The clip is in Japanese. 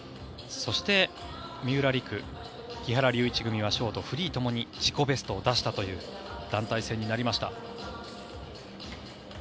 そして、三浦璃来・木原龍一組はショート、フリーともに自己ベストを出したという団体戦になりました。